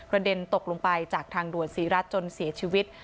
เด็นตกลงไปจากทางด่วนศรีรัฐจนเสียชีวิต